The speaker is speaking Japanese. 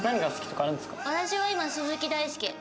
私は今鈴木大介。